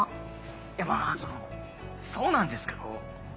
いやまぁそのそうなんですけど。